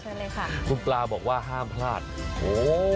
ชัยเลยค่ะคุณปลาบอกว่าห้ามพลาดโอ้โฮ